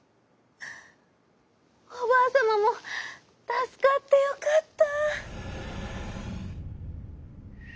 おばあさまもたすかってよかった」。